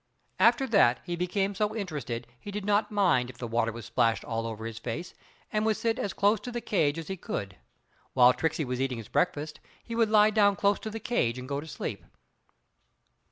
After that he became so interested he did not mind if the water was splashed all over his face and would sit as close to the cage as he could get. While Tricksey was eating his breakfast he would lie down close to the cage and go to sleep.